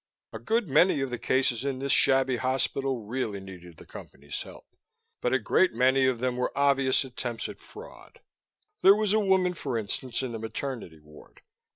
A good many of the cases in this shabby hospital really needed the Company's help. But a great many of them were obvious attempts at fraud. There was a woman, for instance, in the maternity ward.